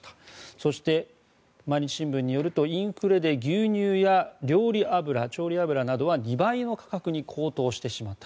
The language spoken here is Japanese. そして毎日新聞によるとインフレで牛乳や料理油などは２倍の価格に高騰してしまった。